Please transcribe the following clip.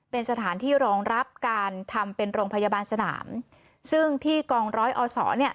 เป็นสถานที่รองรับการทำเป็นโรงพยาบาลสนามซึ่งที่กองร้อยอศเนี่ย